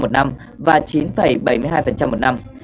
tám hai mươi một một năm và chín bảy mươi hai một năm